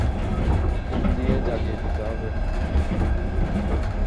Phone দিয়ে জাগিয়ে দিতে হবে?